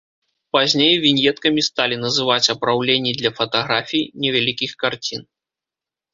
Пазней віньеткамі сталі называць апраўленні для фатаграфій, невялікіх карцін.